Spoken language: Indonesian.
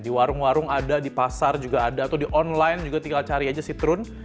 di warung warung ada di pasar juga ada atau di online juga tinggal cari aja sitrun